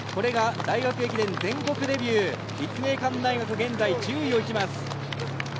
大学駅伝、全国デビュー立命館大学、現在１０位です。